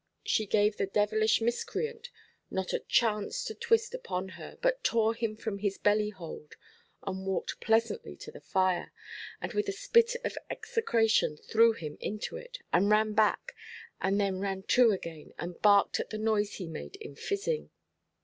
She gave the devilish miscreant not a chance to twist upon her, but tore him from his belly–hold, and walked pleasantly to the fire, and with a spit of execration threw him into it, and ran back, and then ran to again, and barked at the noise he made in fizzing.